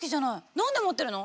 なんで持ってるの？